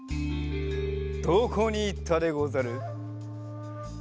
どこにいったでござる？